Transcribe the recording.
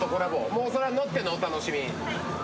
もうそれは乗ってのお楽しみ？